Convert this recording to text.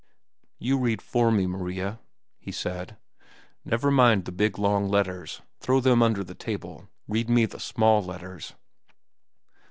"You read for me, Maria," he said. "Never mind the big, long letters. Throw them under the table. Read me the small letters."